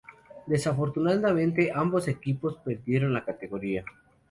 Desafortunadamente, ambos equipos perdieron la categoría.